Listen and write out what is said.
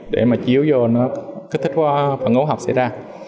để mà chiếu vô nó khích thích qua phần ngũ học xảy ra